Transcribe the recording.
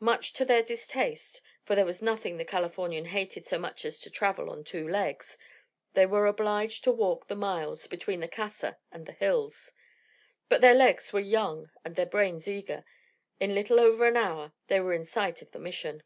Much to their distaste, for there was nothing the Californian hated so much as to travel on two legs, they were obliged to walk the miles between the Casa and the hills. But their legs were young and their brains eager; in little over an hour they were in sight of the Mission.